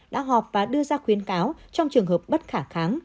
đã họp và đưa ra khuyến cáo trong trường hợp bất khả kháng